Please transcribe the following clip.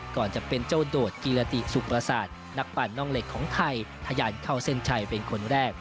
ก่อนจะเป็นเจ้าโดดกิรติสุประสาทนักปั่นน่องเหล็กของไทยทะยานเข้าเส้นชัยเป็นคนแรก